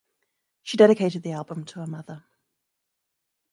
She dedicated the album to her mother.